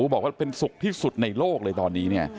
บอกว่าเป็นสุขที่สุดในโลกเลยตอนนี้เนี่ย